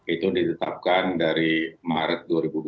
itu ditetapkan dari maret dua ribu dua puluh